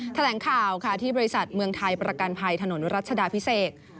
แถลงข่าวค่ะที่บริษัทเมืองไทยประกันภัยถนนรัชดาพิเศษ